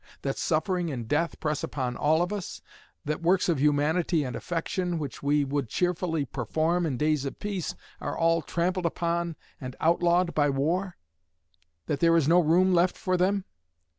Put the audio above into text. That suffering and death press upon all of us? That works of humanity and affection, which we would cheerfully perform in days of peace, are all trampled upon and outlawed by war? That there is no room left for them?